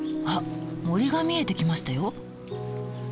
あっ森が見えてきましたよ。